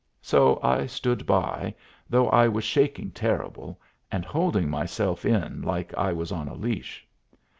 So I stood by, though I was shaking terrible, and holding myself in like I was on a leash.